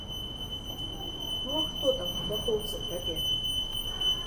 Ну, а хто там у бакоўцы храпе?